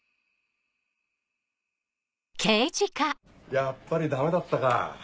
やっぱりダメだったか。